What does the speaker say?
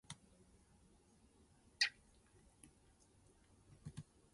君と追いかけてゆける風が好きだよ